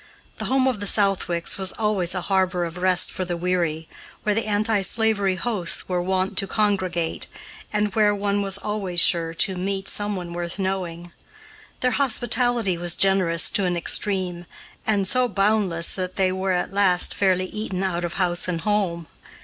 The home of the Southwicks was always a harbor of rest for the weary, where the anti slavery hosts were wont to congregate, and where one was always sure to meet someone worth knowing. Their hospitality was generous to an extreme, and so boundless that they were, at last, fairly eaten out of house and home.